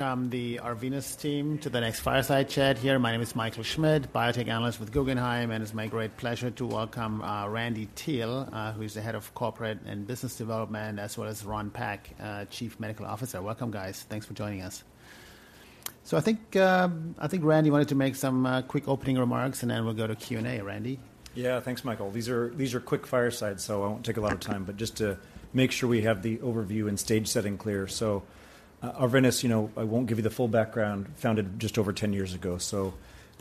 Welcome the Arvinas team to the next Fireside Chat here. My name is Michael Schmidt, Biotech Analyst with Guggenheim, and it's my great pleasure to welcome, Randy Teel, who's the Head of Corporate and Business Development, as well as Ron Peck, Chief Medical Officer. Welcome, guys. Thanks for joining us. So I think, I think Randy wanted to make some, quick opening remarks, and then we'll go to Q&A. Randy? Yeah, thanks, Michael. These are quick fireside, so I won't take a lot of time, but just to make sure we have the overview and stage setting clear. So, Arvinas, you know, I won't give you the full background, founded just over 10 years ago. So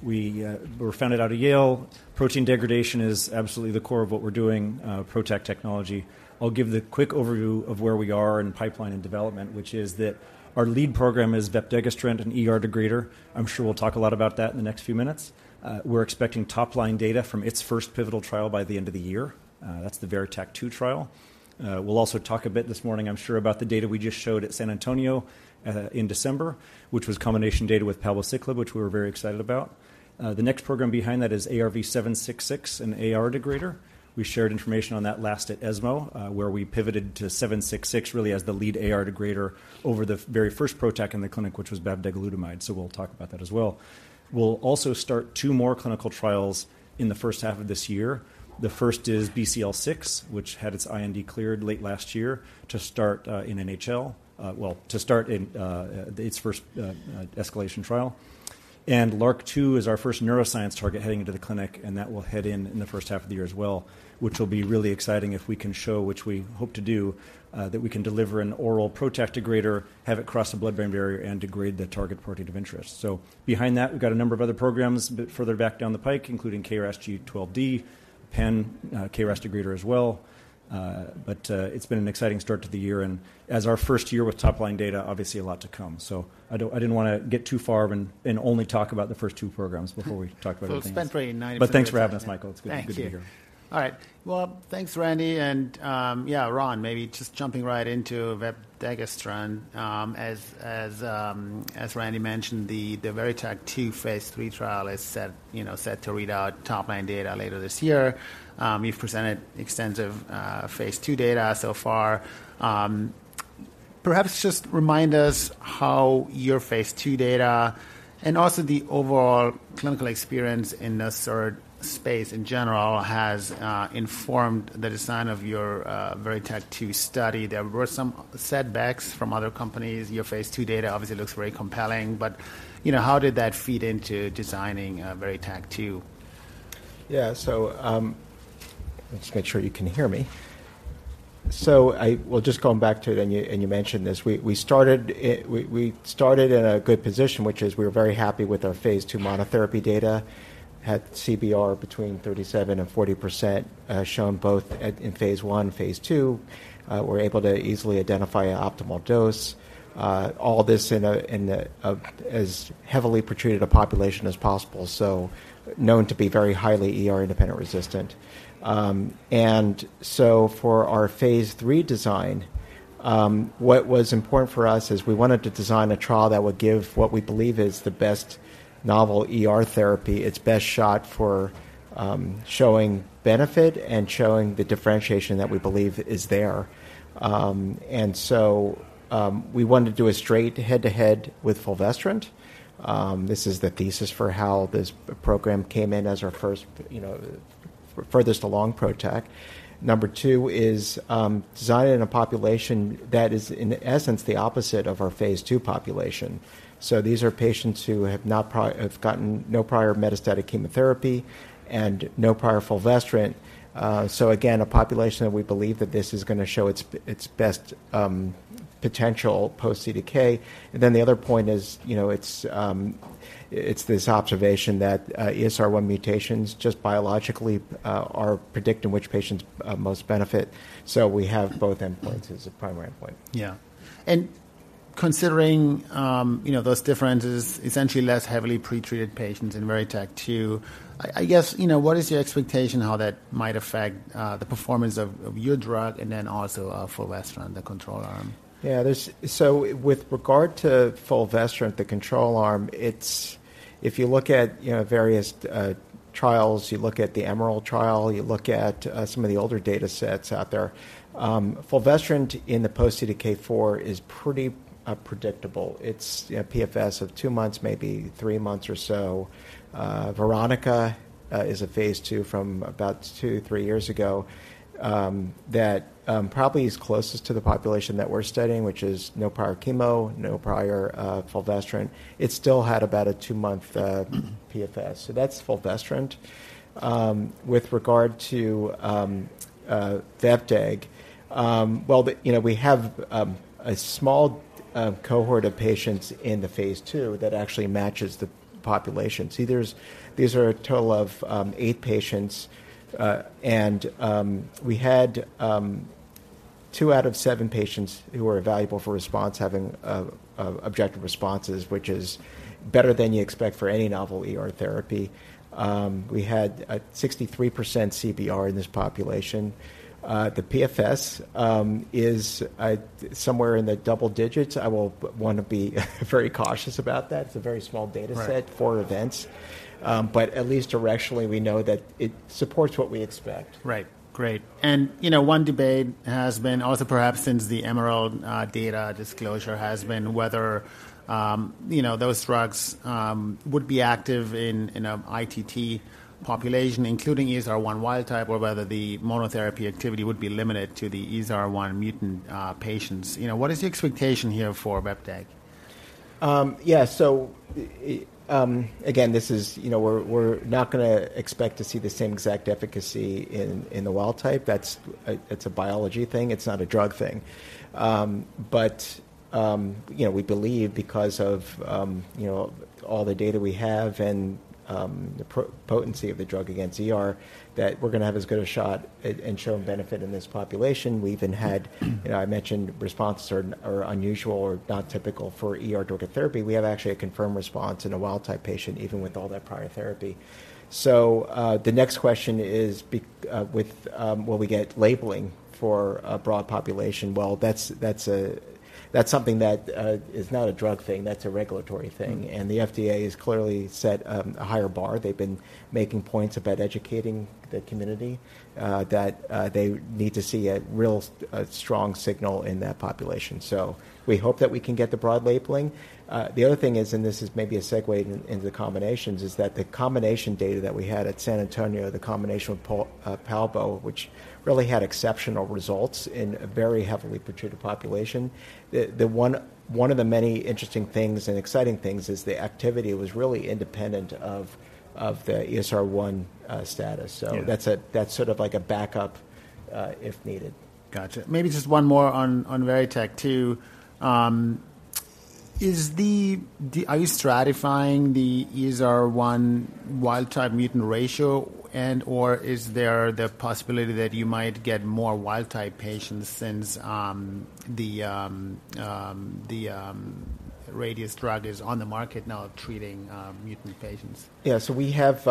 we were founded out of Yale. Protein degradation is absolutely the core of what we're doing, PROTAC technology. I'll give the quick overview of where we are in pipeline and development, which is that our lead program is vepdegestrant, an ER degrader. I'm sure we'll talk a lot about that in the next few minutes. We're expecting top-line data from its first pivotal trial by the end of the year. That's the VERITAC-2 trial. We'll also talk a bit this morning, I'm sure, about the data we just showed at San Antonio in December, which was combination data with palbociclib, which we were very excited about. The next program behind that is ARV-766, an AR degrader. We shared information on that last at ESMO, where we pivoted to 766, really, as the lead AR degrader over the very first PROTAC in the clinic, which was bavdegalutamide, so we'll talk about that as well. We'll also start two more clinical trials in the first half of this year. The first is BCL-6, which had its IND cleared late last year to start in NHL, well, to start in its first escalation trial. LRRK2 is our first neuroscience target heading into the clinic, and that will head in in the first half of the year as well, which will be really exciting if we can show, which we hope to do, that we can deliver an oral PROTAC degrader, have it cross the blood-brain barrier, and degrade the target protein of interest. So behind that, we've got a number of other programs a bit further back down the pike, including KRAS G12D, pan-KRAS degrader as well. But, it's been an exciting start to the year, and as our first year with top-line data, obviously a lot to come. So I didn't want to get too far and only talk about the first two programs before we talk about everything. So it's been very nice- Thanks for having us, Michael. Thank you. It's good to be here. All right. Well, thanks, Randy, and, yeah, Ron, maybe just jumping right into vepdegestrant. As Randy mentioned, the VERITAC-2 phase III trial is set, you know, set to read out top-line data later this year. You've presented phase II data so far. Perhaps just remind us how phase II data and also the overall clinical experience in this sort of space in general has informed the design of your VERITAC-2 study. There were some setbacks from other companies. phase II data obviously looks very compelling, but, you know, how did that feed into designing VERITAC-2? Yeah. So, let's make sure you can hear me. Well, just going back to it, and you mentioned this, we started in a good position, which is we were very happy with phase II monotherapy data, had CBR between 37% and 40%, shown both in phase I, phase II. We're able to easily identify an optimal dose, all this in as heavily pretreated a population as possible, so known to be very highly ER-independent resistant. And so for our phase III design, what was important for us is we wanted to design a trial that would give what we believe is the best novel ER therapy, its best shot for showing benefit and showing the differentiation that we believe is there. We wanted to do a straight head-to-head with fulvestrant. This is the thesis for how this program came in as our first, you know, furthest along PROTAC. Number two is designed in a population that is, in essence, the opposite of our phase II population. So these are patients who have gotten no prior metastatic chemotherapy and no prior fulvestrant. So again, a population that we believe that this is going to show its best potential post-CDK. And then the other point is, you know, it's this observation that ESR1 mutations just biologically are predicting which patients most benefit. So we have both endpoints as a primary endpoint. Yeah. Considering, you know, those differences, essentially less heavily pretreated patients in VERITAC-2, I guess, you know, what is your expectation, how that might affect the performance of your drug and then also fulvestrant, the control arm? Yeah, there's so with regard to fulvestrant, the control arm. It's if you look at, you know, various trials, you look at the EMERALD trial, you look at some of the older datasets out there. Fulvestrant in the post-CDK4 is pretty predictable. It's, you know, PFS of two months, maybe three months or so. VERONICA is a phase II from about two-three years ago that probably is closest to the population that we're studying, which is no prior chemo, no prior fulvestrant. It still had about a 2-month PFS. So that's fulvestrant. With regard to vepdegestrant, well, you know, we have a small cohort of patients in the Phase II that actually matches the population. See, these are a total of eight patients, and we had two out of seven patients who were evaluable for response, having objective responses, which is better than you expect for any novel ER therapy. We had a 63% CBR in this population. The PFS is somewhere in the double digits. I will want to be very cautious about that. It's a very small data- Right... set for events, but at least directionally, we know that it supports what we expect. Right. Great. And, you know, one debate has been also perhaps since the EMERALD data disclosure, has been whether, you know, those drugs would be active in a ITT population, including ESR1 wild type, or whether the monotherapy activity would be limited to the ESR1 mutant patients. You know, what is the expectation here for vep-deg?... Yeah, so, again, this is, you know, we're not going to expect to see the same exact efficacy in the wild type. That's, it's a biology thing, it's not a drug thing. But, you know, we believe because of, you know, all the data we have and the potency of the drug against ER, that we're going to have as good a shot at and show benefit in this population. We even had, you know, I mentioned responses are unusual or not typical for ER-targeted therapy. We have actually a confirmed response in a wild type patient, even with all that prior therapy. So, the next question is, will we get labeling for a broad population? Well, that's something that is not a drug thing, that's a regulatory thing. Mm-hmm. The FDA has clearly set a higher bar. They've been making points about educating the community that they need to see a real strong signal in that population. So we hope that we can get the broad labeling. The other thing is, and this is maybe a segue into the combinations, is that the combination data that we had at San Antonio, the combination with palbociclib, which really had exceptional results in a very heavily pretreated population. The one of the many interesting things and exciting things is the activity was really independent of the ESR1 status. Yeah. So that's a, that's sort of like a backup, if needed. Gotcha. Maybe just one more on VERITAC-2. Are you stratifying the ESR1 wild-type mutant ratio, and/or is there the possibility that you might get more wild-type patients since the Radius drug is on the market now treating mutant patients? Yeah. So we have, first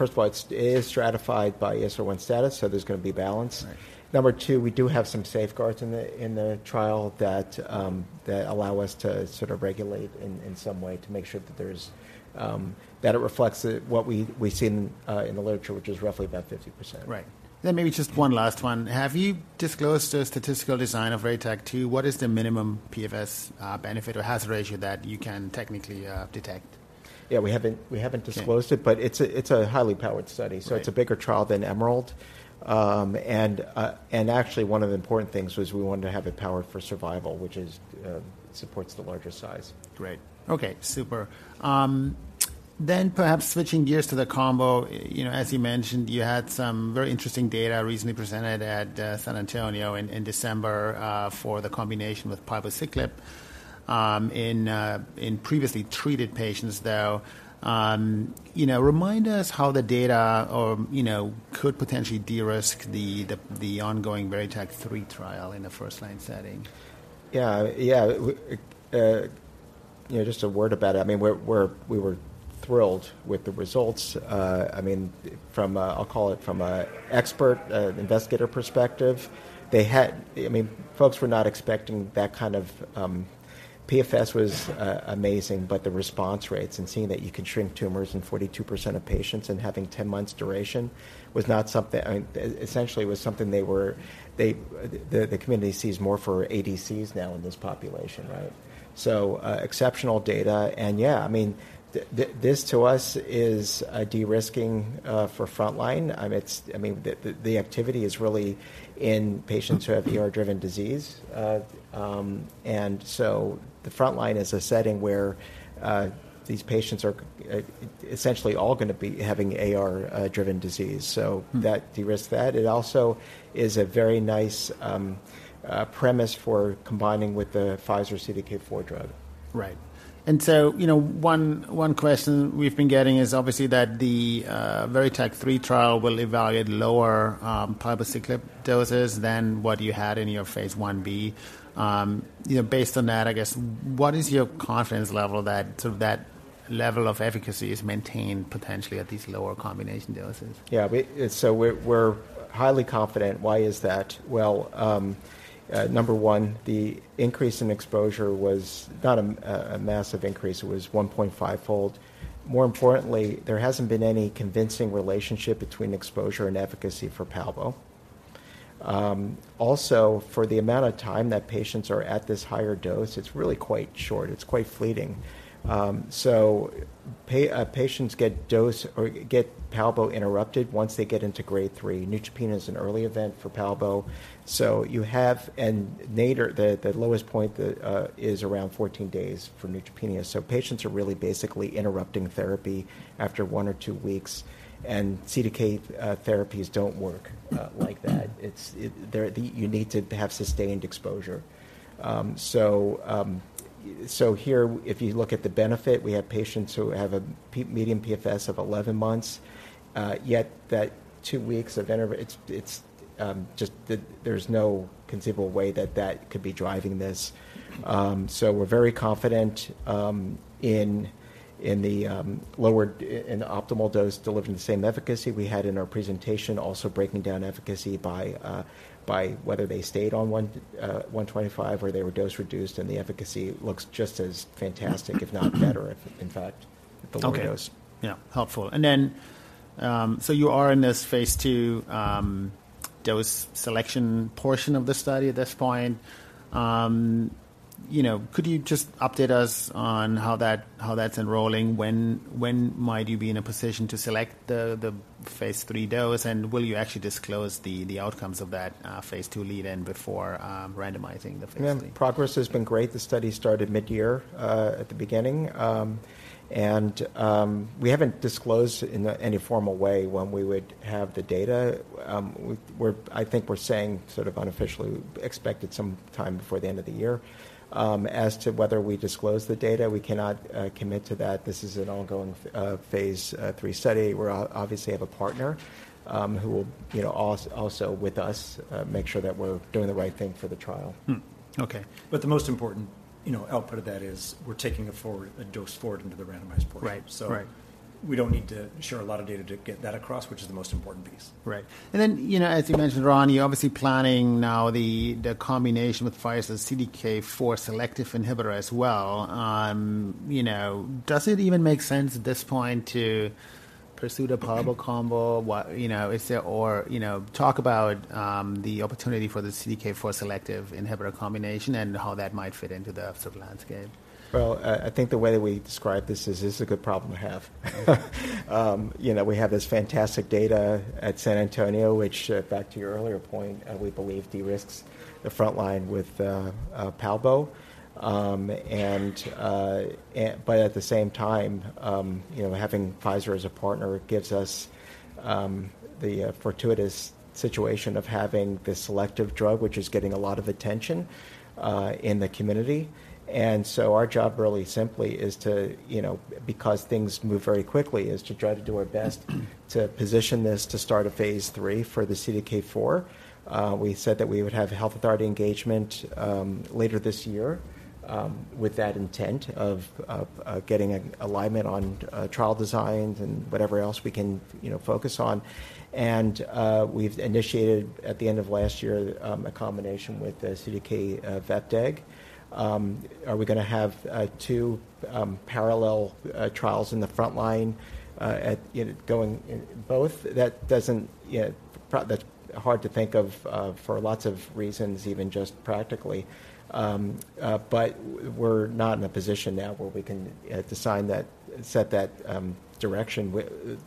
of all, it's stratified by ESR1 status, so there's going to be balance. Right. Number two, we do have some safeguards in the trial that allow us to sort of regulate in some way to make sure that there's that it reflects what we see in the literature, which is roughly about 50%. Right. Then maybe just one last one. Have you disclosed a statistical design of VERITAC-2? What is the minimum PFS benefit or hazard ratio that you can technically detect? Yeah, we haven't disclosed it- Okay. but it's a highly powered study. Right. So it's a bigger trial than EMERALD. And actually, one of the important things was we wanted to have it powered for survival, which is supports the larger size. Great. Okay, super. Then perhaps switching gears to the combo. You know, as you mentioned, you had some very interesting data recently presented at San Antonio in December for the combination with palbociclib in previously treated patients, though. You know, remind us how the data could potentially de-risk the ongoing VERITAC-3 trial in a first-line setting. Yeah, yeah. You know, just a word about it. I mean, we were thrilled with the results. I mean, from what I'll call an expert investigator perspective, they had—I mean, folks were not expecting that kind of PFS. PFS was amazing, but the response rates and seeing that you could shrink tumors in 42% of patients and having 10 months duration was not something—I mean, essentially, it was something the community sees more for ADCs now in this population, right? Right. So, exceptional data, and yeah, I mean, this to us is a de-risking for frontline. I mean, it's, I mean, the activity is really in patients who have AR-driven disease. And so the frontline is a setting where these patients are essentially all going to be having AR driven disease. Mm-hmm. That de-risks that. It also is a very nice premise for combining with the Pfizer CDK4 drug. Right. And so, you know, one, one question we've been getting is obviously that the VERITAC-3 trial will evaluate lower palbociclib doses than what you had in your phase Ib. You know, based on that, I guess, what is your confidence level that to that level of efficacy is maintained potentially at these lower combination doses? Yeah, we're highly confident. Why is that? Well, number one, the increase in exposure was not a massive increase; it was 1.5-fold. More importantly, there hasn't been any convincing relationship between exposure and efficacy for palbo. Also, for the amount of time that patients are at this higher dose, it's really quite short, it's quite fleeting. So patients get dose or get palbo interrupted once they get into grade three. Neutropenia is an early event for palbo, so you have a nadir, the lowest point is around 14 days for neutropenia. So patients are really basically interrupting therapy after 1 or 2 weeks, and CDK therapies don't work like that. Mm-hmm. They're, you need to have sustained exposure. So here, if you look at the benefit, we have patients who have a median PFS of 11 months, yet that two weeks of intervention, it's just that there's no conceivable way that that could be driving this. So we're very confident in the lower and optimal dose delivering the same efficacy we had in our presentation, also breaking down efficacy by whether they stayed on 125 or they were dose reduced, and the efficacy looks just as fantastic, if not better, if in fact, the lower dose. Okay. Yeah, helpful. And then, so you are in this phase II, dose selection portion of the study at this point. You know, could you just update us on how that, how that's enrolling? When might you be in a position to select the phase III dose? And will you actually disclose the outcomes of that phase II lead-in before randomizing the phase III? Yeah, progress has been great. The study started mid-year, at the beginning. And, we haven't disclosed in any formal way when we would have the data. I think we're saying sort of unofficially, expected some time before the end of the year. As to whether we disclose the data, we cannot commit to that. This is an ongoing Phase III study. We're obviously have a partner, who will, you know, also with us, make sure that we're doing the right thing for the trial. Hmm, okay. The most important, you know, output of that is we're taking it forward, a dose forward into the randomized portion. Right. Right. We don't need to share a lot of data to get that across, which is the most important piece. Right. And then, you know, as you mentioned, Ron, you're obviously planning now the combination with Pfizer CDK4 selective inhibitor as well. You know, does it even make sense at this point to pursue the palbo combo? What-- You know, is there... Or, you know, talk about the opportunity for the CDK4 selective inhibitor combination and how that might fit into the sort of landscape. Well, I think the way that we describe this is, this is a good problem to have. You know, we have this fantastic data at San Antonio, which, back to your earlier point, we believe de-risks the front line with palbo. But at the same time, you know, having Pfizer as a partner gives us the fortuitous situation of having this selective drug, which is getting a lot of attention in the community. And so our job really simply is to, you know, because things move very quickly, is to try to do our best to position this to start a phase III for the CDK4. We said that we would have health authority engagement later this year with that intent of getting an alignment on trial designs and whatever else we can, you know, focus on. And we've initiated, at the end of last year, a combination with the CDK vep-deg. Are we gonna have two parallel trials in the front line at, you know, going in both? That doesn't, you know, that's hard to think of for lots of reasons, even just practically. But we're not in a position now where we can decide that, set that direction.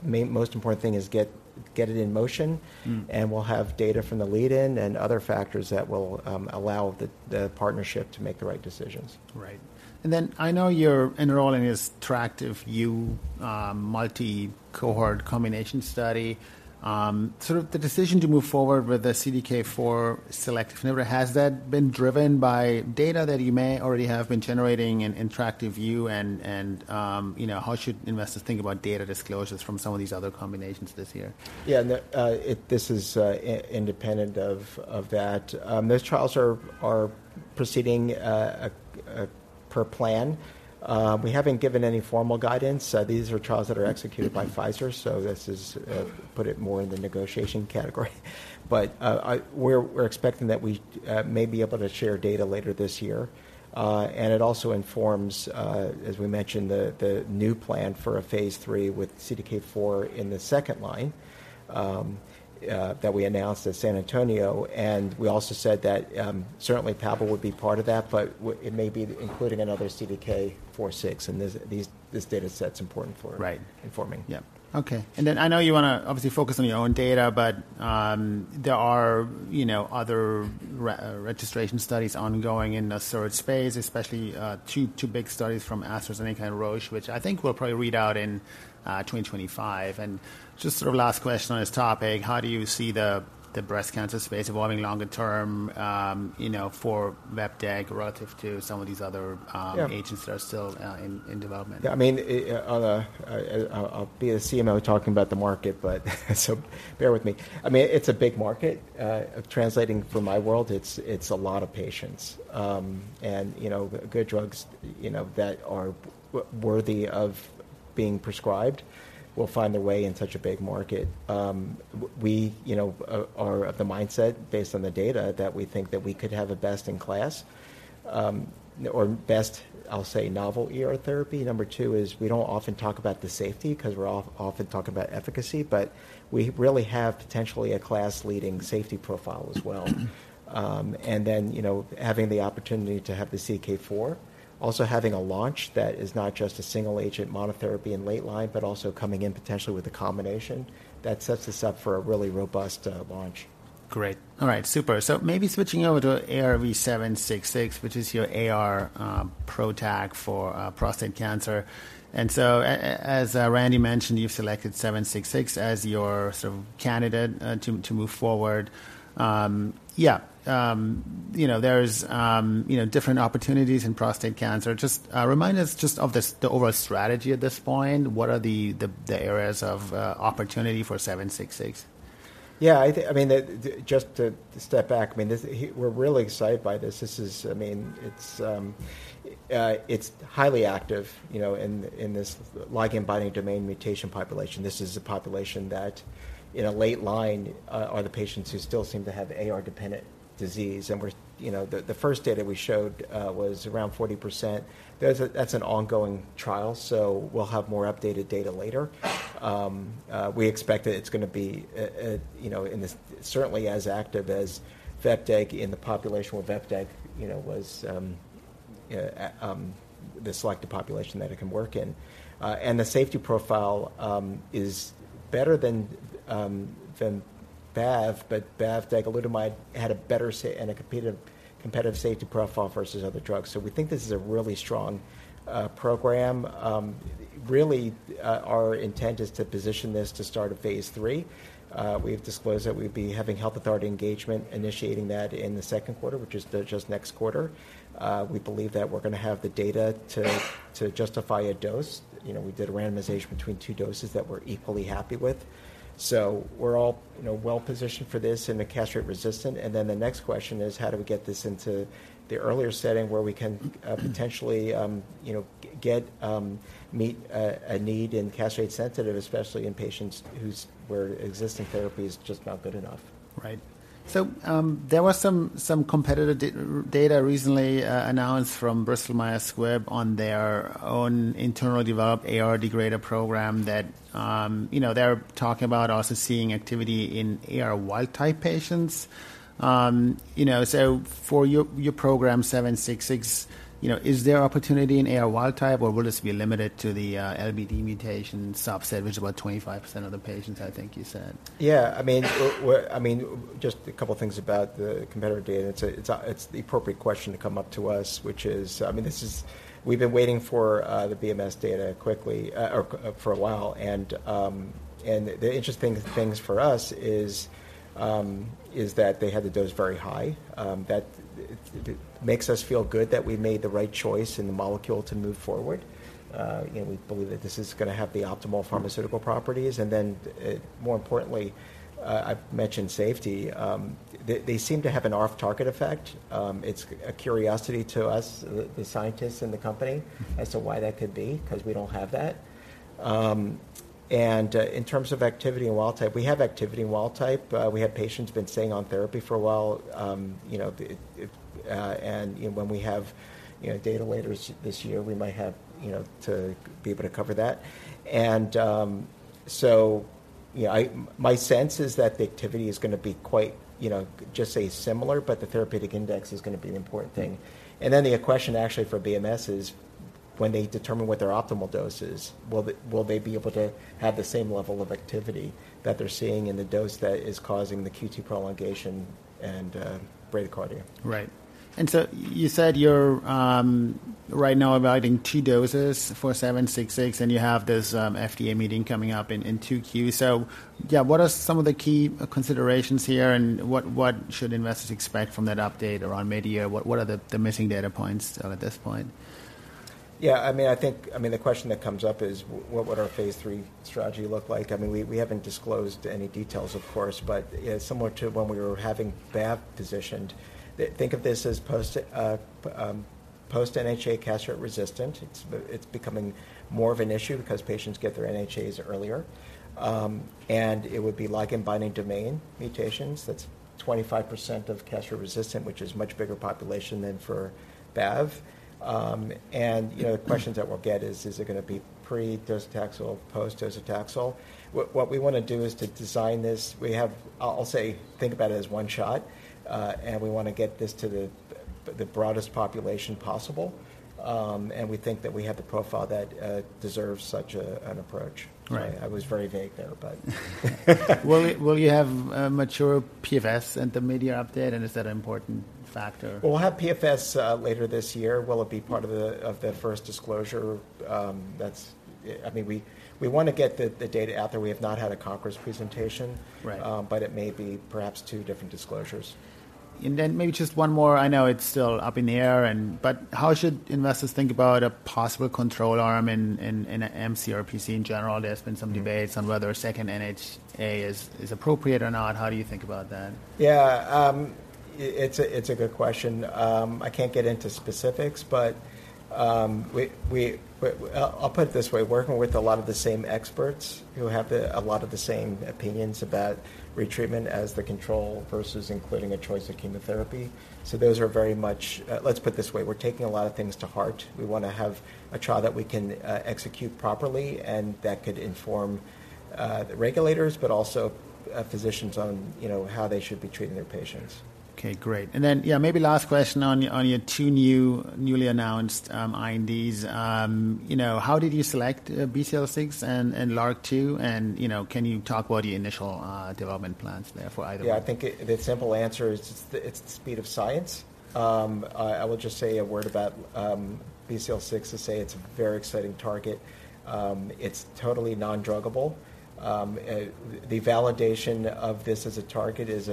Most important thing is get it in motion. Hmm. We'll have data from the lead-in and other factors that will allow the partnership to make the right decisions. Right. And then I know you're enrolling this TACTIVE-U multi-cohort combination study. Sort of the decision to move forward with the CDK4 selective inhibitor, has that been driven by data that you may already have been generating in TACTIVE-U? And you know, how should investors think about data disclosures from some of these other combinations this year? Yeah, and this is independent of that. Those trials are proceeding per plan. We haven't given any formal guidance. These are trials that are executed by Pfizer, so this is put it more in the negotiation category. But we're expecting that we may be able to share data later this year. And it also informs, as we mentioned, the new plan for a phase III with CDK4 in the second line, that we announced at San Antonio. And we also said that certainly palbo would be part of that, but it may be including another CDK4/6, and this data set's important for- Right... informing. Yeah. Okay, and then I know you want to obviously focus on your own data, but there are, you know, other registration studies ongoing in the sort of space, especially two big studies from AstraZeneca and Roche, which I think will probably read out in 2025. And just sort of last question on this topic, how do you see the breast cancer space evolving longer term, you know, for vep-deg relative to some of these other? Yeah... agents that are still in development? Yeah, I mean, I, I'll be a CMO talking about the market, but so bear with me. I mean, it's a big market. Translating from my world, it's, it's a lot of patients. And, you know, good drugs, you know, that are worthy of being prescribed will find their way in such a big market. We, you know, are of the mindset, based on the data, that we think that we could have a best-in-class, or best, I'll say, novel era therapy. Number two is, we don't often talk about the safety because we're often talking about efficacy, but we really have potentially a class-leading safety profile as well. And then, you know, having the opportunity to have the CDK4, also having a launch that is not just a single-agent monotherapy in late line, but also coming in potentially with a combination, that sets us up for a really robust launch. Great. All right, super. So maybe switching over to ARV-766, which is your AR PROTAC for prostate cancer. And so as Randy mentioned, you've selected 766 as your sort of candidate to move forward. Yeah, you know, there's you know, different opportunities in prostate cancer. Just remind us just of the areas of opportunity for 766? Yeah, I mean, just to step back, I mean, this, we're really excited by this. This is, I mean, it's highly active, you know, in this ligand binding domain mutation population. This is a population that, in a late line, are the patients who still seem to have AR-dependent disease. And we're, you know, the first data we showed was around 40%. That's an ongoing trial, so we'll have more updated data later. We expect that it's gonna be, you know, in this, certainly as active as vep-deg in the population, where vep-deg, you know, was the selected population that it can work in. And the safety profile is better than bavdegalutamide, but bavdegalutamide had a better and a competitive safety profile versus other drugs. So we think this is a really strong program. Really, our intent is to position this to start a phase III. We've disclosed that we'd be having health authority engagement, initiating that in the second quarter, which is just next quarter. We believe that we're going to have the data to justify a dose. You know, we did a randomization between two doses that we're equally happy with. So we're all, you know, well-positioned for this in the castrate-resistant. Then the next question is: how do we get this into the earlier setting where we can potentially, you know, get to meet a need in castrate-sensitive, especially in patients where existing therapy is just not good enough? Right. So, there was some competitive data recently announced from Bristol Myers Squibb on their own internal developed AR degrader program that, you know, they're talking about also seeing activity in AR wild-type patients. So for your program seven six six, you know, is there opportunity in AR wild type, or will this be limited to the LBD mutation subset, which is about 25% of the patients, I think you said? Yeah. I mean, we're—I mean, just a couple of things about the competitive data. It's the appropriate question to come up to us, which is... I mean, this is—we've been waiting for the BMS data for a while. And the interesting things for us is that they had the dose very high. That makes us feel good that we made the right choice in the molecule to move forward. You know, we believe that this is going to have the optimal pharmaceutical properties, and then, more importantly, I've mentioned safety. They seem to have an off-target effect. It's a curiosity to us, the scientists in the company, as to why that could be, 'cause we don't have that. In terms of activity in wild type, we have activity in wild type. We had patients been staying on therapy for a while. You know, it, it, and, you know, when we have, you know, data later this year, we might have, you know, to be able to cover that. And, so, you know, my sense is that the activity is going to be quite, you know, just say, similar, but the therapeutic index is going to be the important thing. And then the question actually for BMS is, when they determine what their optimal dose is, will they be able to have the same level of activity that they're seeing in the dose that is causing the QT prolongation and bradycardia? Right. And so you said you're right now evaluating two doses for 766, and you have this FDA meeting coming up in 2Q. So, yeah, what are some of the key considerations here, and what, what should investors expect from that update or on media? What, what are the, the missing data points at this point? Yeah, I mean, the question that comes up is, what would our phase III strategy look like? I mean, we haven't disclosed any details, of course, but yeah, similar to when we were having bav positioned, think of this as post-NHA castration-resistant. It's becoming more of an issue because patients get their NHAs earlier. And it would be like LBD mutations, that's 25% of castration-resistant, which is a much bigger population than for bav. You know, the questions that we'll get is: Is it going to be pre-docetaxel, post-docetaxel? What we want to do is to design this. I'll say, think about it as one shot, and we want to get this to the broadest population possible. And we think that we have the profile that deserves such an approach. Right. I was very vague there, but Will you, will you have a mature PFS at the media update, and is that an important factor? We'll have PFS later this year. Will it be part of the first disclosure? I mean, we want to get the data out there. We have not had a conference presentation. Right. It may be perhaps two different disclosures. And then maybe just one more. I know it's still up in the air, and... But how should investors think about a possible control arm in mCRPC in general? There's been some debates on whether a second NHA is appropriate or not. How do you think about that? Yeah, it's a good question. I can't get into specifics, but, I'll put it this way, working with a lot of the same experts who have a lot of the same opinions about retreatment as the control versus including a choice of chemotherapy. So those are very much... Let's put it this way: We're taking a lot of things to heart. We want to have a trial that we can execute properly and that could inform the regulators, but also physicians on, you know, how they should be treating their patients. Okay, great. And then, yeah, maybe last question on your two newly announced INDs. You know, how did you select BCL6 and LRRK2, and, you know, can you talk about the initial development plans there for either? Yeah, I think the simple answer is it's the speed of science. I will just say a word about BCL6 to say it's a very exciting target. It's totally non-druggable. The validation of this as a target is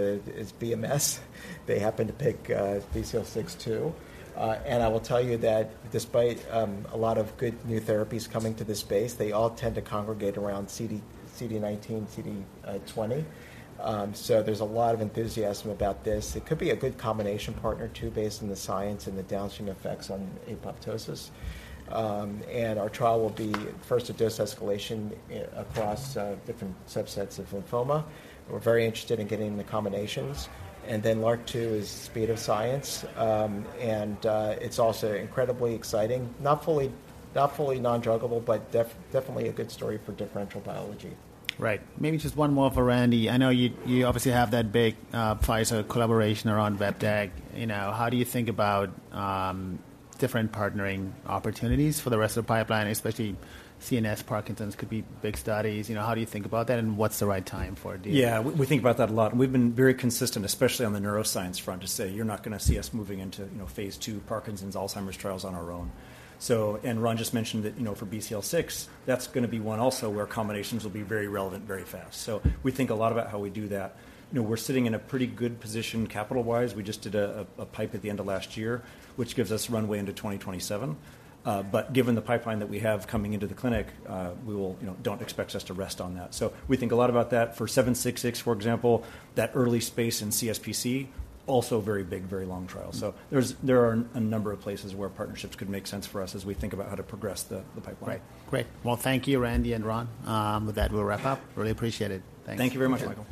BMS. They happen to pick BCL6 too. And I will tell you that despite a lot of good new therapies coming to this space, they all tend to congregate around CD19, CD20. So there's a lot of enthusiasm about this. It could be a good combination partner, too, based on the science and the downstream effects on apoptosis. And our trial will be first, a dose escalation across different subsets of lymphoma. We're very interested in getting the combinations. And then LRRK2 is speed of science, and it's also incredibly exciting. Not fully non-druggable, but definitely a good story for differential biology. Right. Maybe just one more for Randy. I know you, you obviously have that big Pfizer collaboration around vep-deg. You know, how do you think about different partnering opportunities for the rest of the pipeline, especially CNS, Parkinson's could be big studies. You know, how do you think about that, and what's the right time for it? Do you- Yeah, we think about that a lot, and we've been very consistent, especially on the neuroscience front, to say you're not going to see us moving into, you phase II Parkinson's, Alzheimer's trials on our own. So, Ron just mentioned that, you know, for BCL6, that's going to be one also where combinations will be very relevant, very fast. So we think a lot about how we do that. You know, we're sitting in a pretty good position capital-wise. We just did a PIPE at the end of last year, which gives us runway into 2027. But given the pipeline that we have coming into the clinic, we will—you know, don't expect us to rest on that. So we think a lot about that. For seven six six, for example, that early space in CSPC, also very big, very long trial. There are a number of places where partnerships could make sense for us as we think about how to progress the pipeline. Right. Great. Well, thank you, Randy and Ron. With that, we'll wrap up. Really appreciate it. Thanks. Thank you very much, Michael.